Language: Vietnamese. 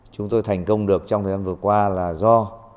chúng tôi thành công được trong thời gian vừa qua là do